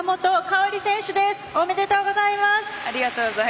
ありがとうございます。